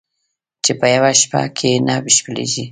چې په یوه شپه کې نه بشپړېږي